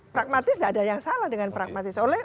pragmatis nggak ada yang salah dengan pragmatis